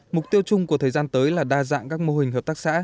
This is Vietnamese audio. mục tiêu chung của thời gian tới là đa dạng các mô hình hợp tác xã